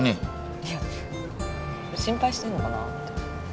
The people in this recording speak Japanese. いや心配してんのかなって。